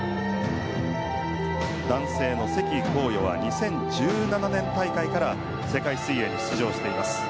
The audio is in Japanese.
男性のセキ・コウヨは２０１７年大会から世界水泳に出場しています。